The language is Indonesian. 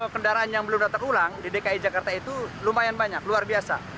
kendaraan yang belum datang ulang di dki jakarta itu lumayan banyak luar biasa